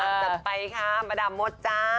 จัดไปค่ะประดับมดจ้า